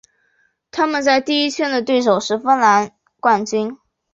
他们在第一圈的对手是芬兰冠军。